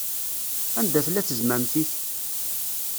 Anda tella tezmamt-ik?